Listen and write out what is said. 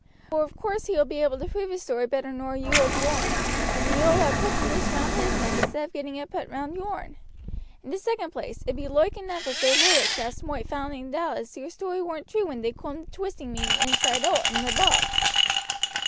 Vor of course he will be able to prove his story better nor you will yourn, and you will have put the noose round his neck instead of getting it put round yourn. In the second place, it be loike enough as they lawyer chaps moight find out as your story weren't true when they coom to twisting me inside owt in the box.